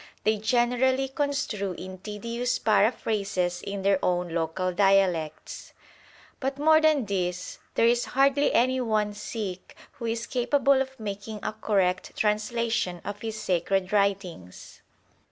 They generally construe in tedious paraphrases in their own local dialects. But more than this, there is hardly any one Sikh who is capable of making a correct translation of his sacred writings.